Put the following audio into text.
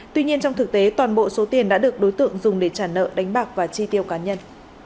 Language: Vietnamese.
tuy nhiên trong thực tế toàn bộ số tiền đã được đối tượng dùng để trả nợ đánh bạc và chi tiêu cá nhân